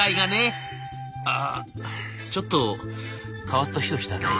「あちょっと変わった人来たね」。